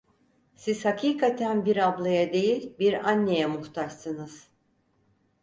Siz hakikaten bir ablaya değil, bir anneye muhtaçsınız…